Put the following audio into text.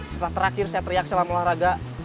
setelah terakhir saya teriak selam olahraga